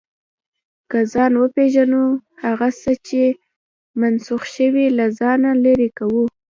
که ځان وپېژنو، هغه څه چې منسوخ شوي، له ځانه لرې کوو.